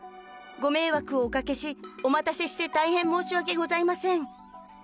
ご迷惑をおかけし、お待たせして大変申し訳ございません。